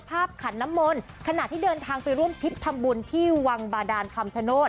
ขันน้ำมนต์ขณะที่เดินทางไปร่วมทิพย์ทำบุญที่วังบาดานคำชโนธ